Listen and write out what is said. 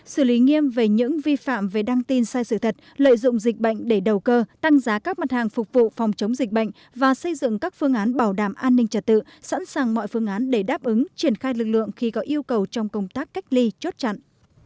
xử lý nghiêm về những vi phạm về đăng tin sai sự thật lợi dụng dịch bệnh để đầu cơ tăng giá các mặt hàng phục vụ phòng chống dịch bệnh và xây dựng các phương án bảo đảm an ninh trật tự sẵn sàng mọi phương án để đáp ứng triển khai lực lượng khi có yêu cầu trong công tác cách ly chốt chặn